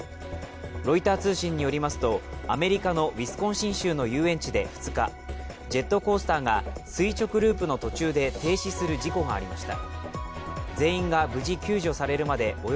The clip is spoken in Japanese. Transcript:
ロイター通信によりますとアメリカのウィスコンシン州の遊園地で２日ジェットコースターが垂直ループの途中で停止する事故がありました。